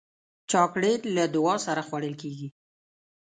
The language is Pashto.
چاکلېټ له دعا سره خوړل کېږي.